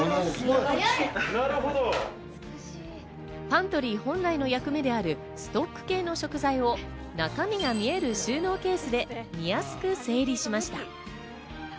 パントリー本来の役目であるストック系の食材を中身が見える収納ケースで見やすく整理しました。